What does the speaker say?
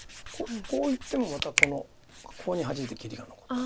こういってもまたこのコウにハジいて切りが残って。